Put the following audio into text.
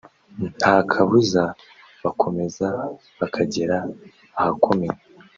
nta kabuza bakomeza bakagera ahakomeye